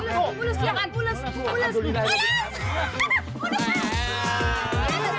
yang banyak rambo yang banyak